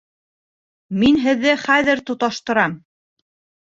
Мин һеҙҙе хәҙер тоташтырам